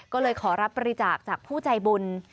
ก็เลยขอรับบริจาคจากผู้ใจบุญ